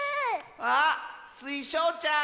あっスイショウちゃん！